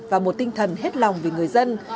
và một tinh thần hết lòng về người dân